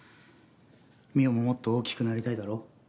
澪ももっと大きくなりたいだろ？